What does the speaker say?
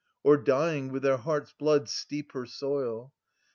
Or, dying, with their hearts' blood steep her soil.